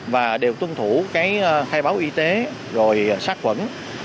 và đều tuân thủ cái khai báo y tế rồi sát quẩn